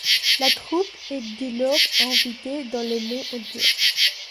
La troupe est dès lors invitée dans le monde entier.